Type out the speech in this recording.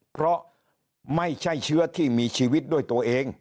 เพราะไม่ใช่เชื้อที่มีชีวิตด้วยตัวเอง